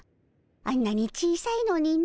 あんなに小さいのにの。